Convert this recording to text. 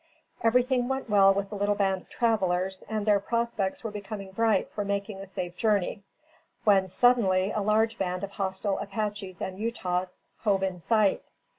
Everything went well with the little band of travelers, and their prospects were becoming bright for making a safe journey, when, suddenly, a large band of hostile Apaches and Utahs hove in sight.